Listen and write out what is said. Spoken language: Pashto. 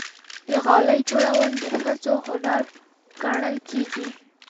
د غالۍ جوړول د ښځو هنر ګڼل کېږي.